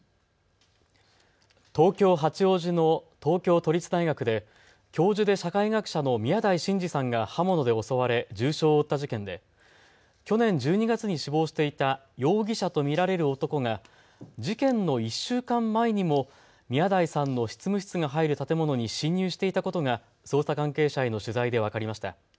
東京八王子の東京都立大学で教授で社会学者の宮台真司さんが刃物で襲われ重傷を負った事件で去年１２月に死亡していた容疑者と見られる男が事件の１週間前にも宮台さんの執務室が入る建物に侵入していたことが捜査関係者への取材で分かりました。